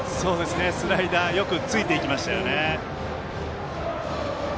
スライダーよくついていきましたよね。